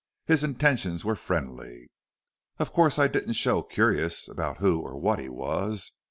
His intentions were friendly. Of course I didn't show curious about who or what he was.